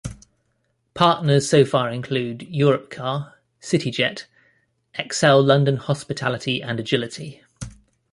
Partners so far include Europcar, CityJet, ExCeL London Hospitality and Agility.